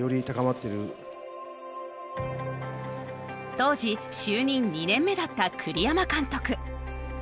当時就任２年目だった栗山監督。